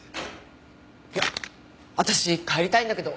いや私帰りたいんだけど。